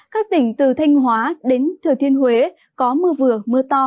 các tỉnh từ thanh hóa đến thừa thiên huế có mưa vừa mưa to